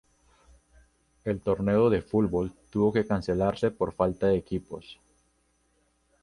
El torneo de fútbol tuvo que cancelarse por la falta de equipos.